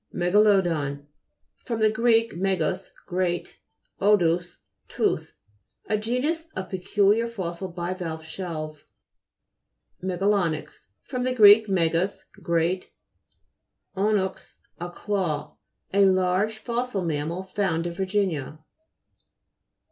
MEGA'LODON fr. gr. megas, great. odous, tooth. A genus of peculiar fossil bivalve shells. MEGALO'NYX fr. gr. megas, great, onux, a claw. A large fossil mam mal, found in Virginia.